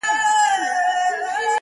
یو صوفي یو قلندر سره یاران وه!!